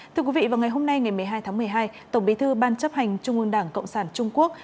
thưa quý vị vào ngày hôm nay ngày một mươi hai tháng một mươi hai tổng bí thư ban chấp hành trung ương đảng cộng sản trung quốc